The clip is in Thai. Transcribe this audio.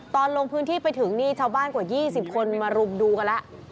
ลงพื้นที่ไปถึงนี่ชาวบ้านกว่า๒๐คนมารุมดูกันแล้ว